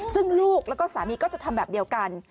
ซึ่งลูกแล้วก็สามีก็จะทำแบบเดียวกัน